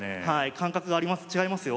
感覚が違いますよ。